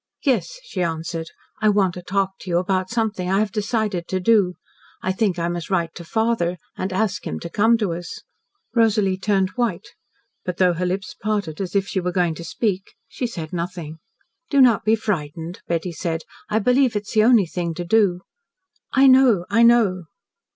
"Yes," she answered. "I want to talk to you about something I have decided to do. I think I must write to father and ask him to come to us." Rosalie turned white, but though her lips parted as if she were going to speak, she said nothing. "Do not be frightened," Betty said. "I believe it is the only thing to do." "I know! I know!"